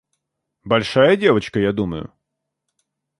Большая девочка, я думаю?